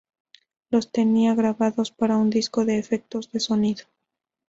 Los tenía grabados para un disco de efectos de sonido.